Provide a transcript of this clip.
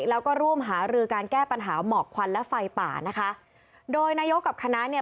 แล้วก็ร่วมหารือการแก้ปัญหาหมอกควันและไฟป่านะคะโดยนายกกับคณะเนี่ย